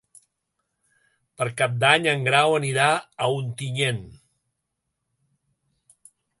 Per Cap d'Any en Grau anirà a Ontinyent.